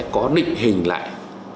có định hình lại